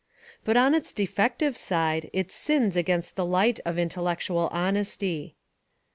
But on Its defective side it sins against the light of intellectual honesty.